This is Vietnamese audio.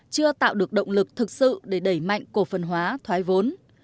chưa tạo được động lực thực sự để đẩy mạnh cổ phân hóa thoái vốn